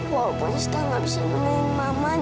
walaupun setelah bisa nemuin mama di dalam